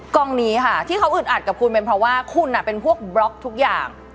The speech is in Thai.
กองนี้ค่ะที่เขาอึดอัดกับคุณเป็นเพราะว่าคุณเป็นพวกบล็อกทุกอย่าง